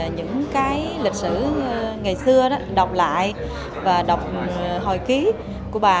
những cái lịch sử ngày xưa đó đọc lại và đọc hồi ký của bà